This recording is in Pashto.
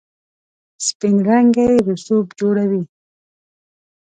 سپین رنګی رسوب جوړیږي.